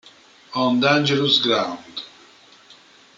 On Dangerous Ground